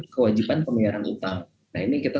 kewajiban pembayaran utang nah ini kita